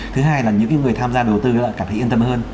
thứ hai là những người tham gia đầu tư cảm thấy yên tâm hơn